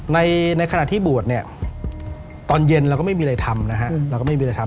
ในขณะที่บวชเนี่ยตอนเย็นเราก็ไม่มีอะไรทำนะฮะเราก็ไม่มีอะไรทำ